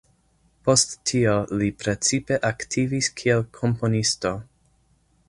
Post tio li precipe aktivis kiel komponisto.